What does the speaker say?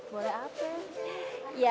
boleh apa ya